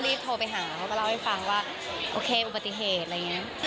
รีบโทรไปหาเขาก็เล่าให้ฟังว่าโอเคอุบัติเหตุอะไรอย่างนี้